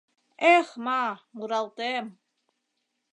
Эх-ма, муралтем...